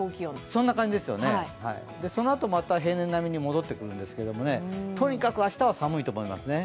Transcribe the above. そんな感じですよね、そのあとまた平年並みに戻ってくるんですけど、とにかく明日は寒いと思いますね。